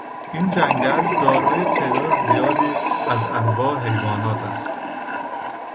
این جنگل دارای تعداد زیادی از انواع حیوانات است.